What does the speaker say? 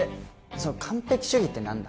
その完璧主義って何だ？